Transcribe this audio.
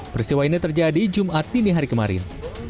peristiwa ini terjadi jumat dini hari kemarin